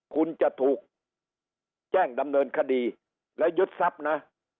คุณจะถูกแจ้งดำเนินคดีและยึดทรัพย์นะ